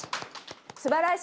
すばらしい！